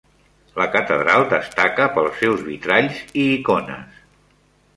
La catedral destaca pels seus vitralls i icones.